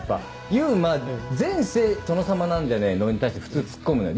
勇馬前世殿様なんじゃねえの？に対して普通ツッコむのよ。